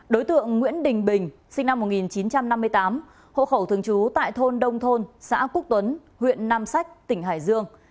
đối tượng nguyễn đình bình sinh năm một nghìn chín trăm năm mươi tám hộ khẩu thường trú tại thôn đông thôn xã quốc tuấn huyện nam sách tỉnh hải dương